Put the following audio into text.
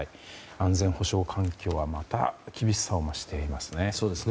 安全保障環境はまた厳しさを増していますね。